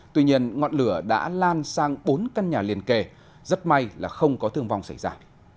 tuy nhiên ngọn lửa đã lan sang bốn căn nhà liền kề rất may là không có thương vong xảy ra